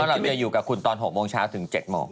พี่เมย์อยู่กับคุณตอน๖โมงเช้าถึง๗โมง